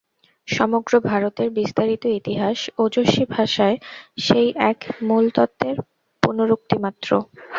সমগ্র ভারতের বিস্তারিত ইতিহাস ওজস্বী ভাষায় সেই এক মূল তত্ত্বের পুনরুক্তিমাত্র।